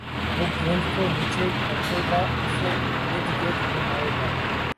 وہ گیند کو نیچے رکھے گا اُسے اردگرد گھمائے گا